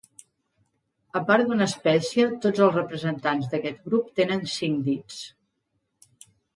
A part d'una espècie, tots els representants d'aquest grup tenen cinc dits.